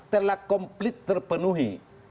telah komplit terpenuhi